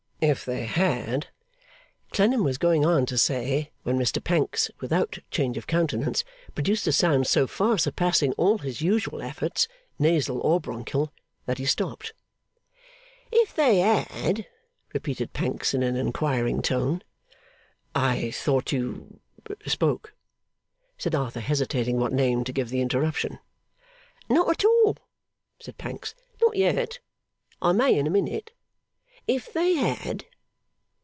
'If they had ' Clennam was going on to say; when Mr Pancks, without change of countenance, produced a sound so far surpassing all his usual efforts, nasal or bronchial, that he stopped. 'If they had?' repeated Pancks in an inquiring tone. 'I thought you spoke,' said Arthur, hesitating what name to give the interruption. 'Not at all,' said Pancks. 'Not yet. I may in a minute. If they had?